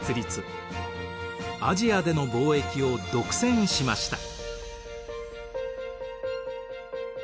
アジアでの貿易を独占しました。